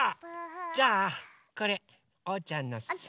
じゃあこれおうちゃんのさお。